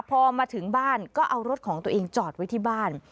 พอมาถึงบ้านก็เอารถของตัวเองจอดไว้ที่บ้าน